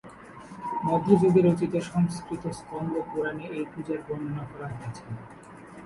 মধ্যযুগে রচিত সংস্কৃত স্কন্দ পুরাণে এই পূজার বর্ণনা করা হয়েছে।